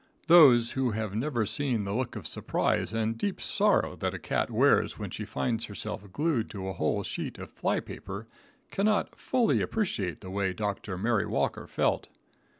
Those who have never seen the look of surprise and deep sorrow that a cat wears when she finds herself glued to a whole sheet of fly paper, cannot fully appreciate the way Dr. Mary Walker felt.